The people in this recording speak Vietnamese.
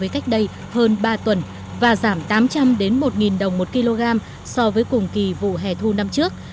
cách đây hơn ba tuần và giảm tám trăm linh một đồng một kg so với cùng kỳ vụ hẻ thu năm trước